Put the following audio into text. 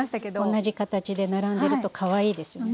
同じ形で並んでるとかわいいですよね。